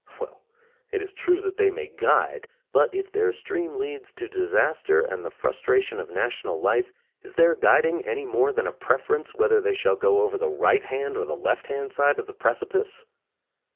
Well, it is true that they may guide, but if their stream leads to disaster and the frustration of national life, is their guiding any more than a preference whether they shall go over the right hand or the left hand side of the preci pice'?